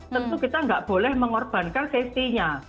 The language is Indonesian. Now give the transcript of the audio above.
tentu kita nggak boleh mengorbankan safety nya